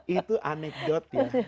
itu anekdot ya